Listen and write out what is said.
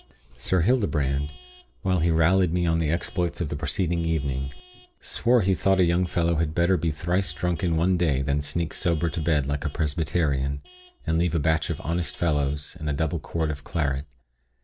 Sir Hildebrand, while he rallied me on the exploits of the preceding evening, swore he thought a young fellow had better be thrice drunk in one day, than sneak sober to bed like a Presbyterian, and leave a batch of honest fellows, and a double quart of claret.